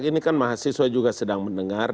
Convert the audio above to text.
ini kan mahasiswa juga sedang mendengar